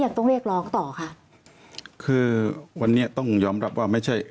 ต้องเรียกร้องต่อค่ะคือวันนี้ต้องยอมรับว่าไม่ใช่